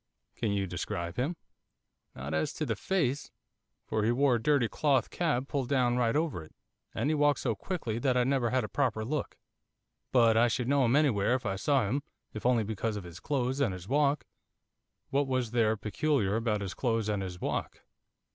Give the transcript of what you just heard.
'Can you describe him?' 'Not as to the face, for he wore a dirty cloth cap pulled down right over it, and he walked so quickly that I never had a proper look. But I should know him anywhere if I saw him, if only because of his clothes and his walk.' 'What was there peculiar about his clothes and his walk?